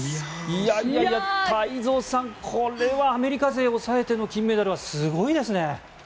太蔵さん、これはアメリカ勢を抑えての金メダルはすごいですね。